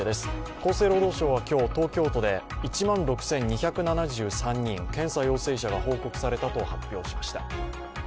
厚生労働省は今日、東京都で１万６２７３人、検査陽性者が報告されたと発表しました。